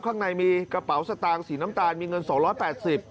ข้างในมีกระเป๋าสตางค์สีน้ำตาลมีเงิน๒๘๐บาท